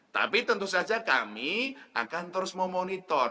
tapi tentu saja kami akan terus memonitor